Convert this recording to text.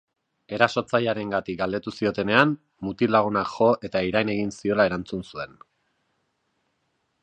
Erasotzailearengatik galdetu ziotenean, mutil-lagunak jo eta irain egin ziola erantzun zuen.